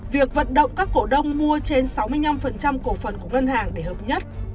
việc vận động các cổ đông mua trên sáu mươi năm cổ phần của ngân hàng để hợp nhất